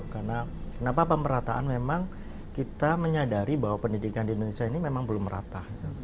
karena kenapa pemerataan memang kita menyadari bahwa pendidikan di indonesia ini memang belum merata